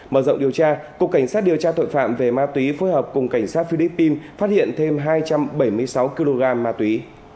mở rộng điều tra cục cảnh sát điều tra tội phạm về ma túy phối hợp cùng cảnh sát philippines phát hiện thêm hai trăm bảy mươi sáu kg ma túy